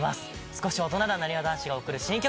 少し大人ななにわ男子が贈る新曲を。